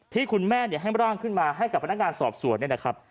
ที่คุณแม่ให้ร่างขึ้นมาให้กับพนักงานสอบส่วน